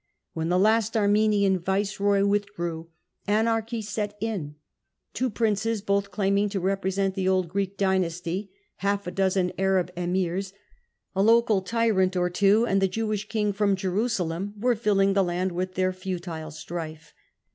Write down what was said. When the last Armenian viceroy withdrew, anarchy set in; two princes, both claiming to represent the old Greek dynasty, hall' a dozen Arab emirs, a local tyrant or two, and the Jewish king from tferusalem were filling the land with their futile strife.